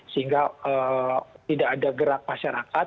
sehingga tidak ada gerak masyarakat